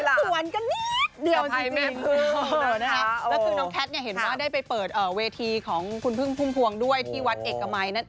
และคุณแคนช์เห็นว่าได้ไปเปิดเวทีที่คุณพึ่งพุ่งพวงด้วยที่วัดเอกไมค์